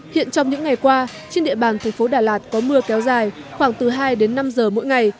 hiện trong những ngày qua trên địa bàn thành phố đà lạt có mưa kéo dài khoảng từ hai đến năm giờ mỗi ngày